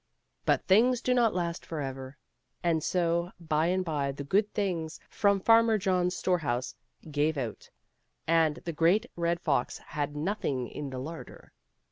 But things do not last forever, and so by and by the good things from Farmer John's storehouse gave out, and the Great Red Fox had nothing in the larder.